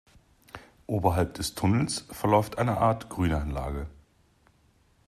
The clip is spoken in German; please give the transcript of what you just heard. Oberhalb des Tunnels verläuft eine Art Grünanlage.